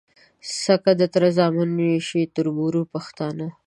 سکه د تره زامن وي شي تــربـــرونـه پښتانه